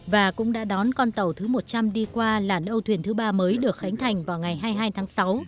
và cũng đã đón con tàu thứ một trăm linh đi qua làn âu thuyền thứ ba mới được khánh thành vào ngày hai mươi hai tháng sáu